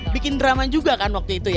bikin drama juga kan waktu itu ya